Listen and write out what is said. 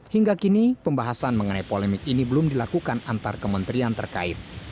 hingga kini pembahasan mengenai polemik ini belum dilakukan antar kementerian terkait